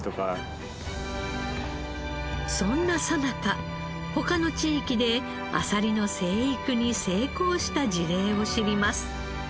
そんなさなか他の地域であさりの生育に成功した事例を知ります。